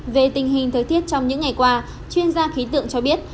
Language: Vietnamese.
về tình hình thời tiết trong những ngày qua chuyên gia khí tượng cho biết